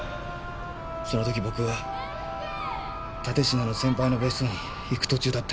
その時僕は蓼科の先輩の別荘に行く途中だった。